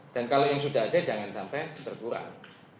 kalau yang sudah ada jangan sampai berkurang